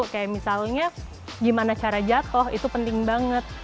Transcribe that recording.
kayak misalnya gimana cara jatuh itu penting banget